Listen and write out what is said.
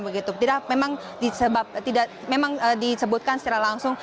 begitu tidak memang disebab tidak memang disebutkan secara langsung